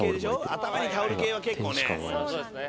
頭にタオル系は結構ね。